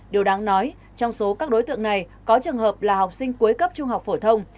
điều đáng nói trong số các đối tượng này có trường hợp là học sinh cuối cấp trung học phổ thông